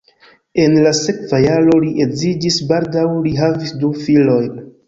En la sekva jaro li edziĝis, baldaŭ li havis du filojn.